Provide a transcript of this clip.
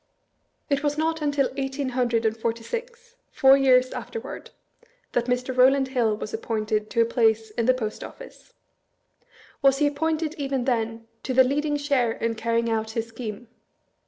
It was not until eighteen hundred and forty six, four years afterward, that Mr. Eow land Hill was appointed to a place in the Post Office. Was he appointed, even then, to the " leading share in carrying out " his scheme?